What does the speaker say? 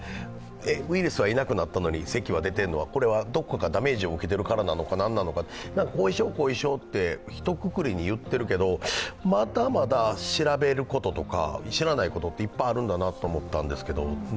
ウイルスはいなくなったのに、せきが出ているのは、どこかがダメージを受けているのか何なのか、後遺症、後遺症とひとくくりに言っているけど、まだまだ調べることとか、知らないことっていっぱいあるんだなと思ったんですが。